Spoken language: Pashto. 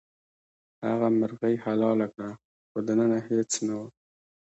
هغه مرغۍ حلاله کړه خو دننه هیڅ نه وو.